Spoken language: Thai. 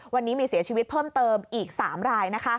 วันนี้มีเสียชีวิตเพิ่มเติมอีก๓ราย